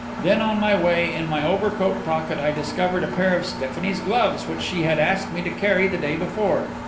Then, on my way, in my overcoat pocket I discovered a pair of Stephanie's gloves which she had asked me to carry the day before.